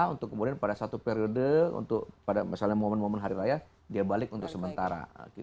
untuk kemudian pada satu periode untuk pada misalnya momen momen hari raya dia balik untuk sementara